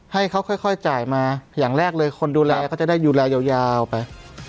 ให้เขาค่อยจ่ายมาอย่างแรกเลยคนดูแลเขาจะได้ดูแลยาวไป